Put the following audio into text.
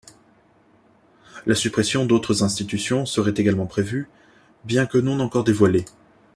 La suppression d'autres institutions seraient également prévus, bien que non encore dévoilées.